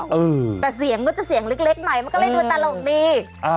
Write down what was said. เออแต่เสียงก็จะเสียงเล็กเล็กหน่อยมันก็เลยดูตลกดีอ่า